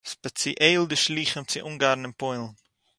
ספּעציעל די שלוחים צו אונגאַרן און פּוילן